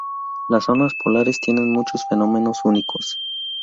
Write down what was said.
Las zonas polares tienen muchos fenómenos únicos.